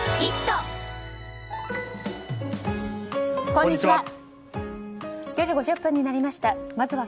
こんにちは。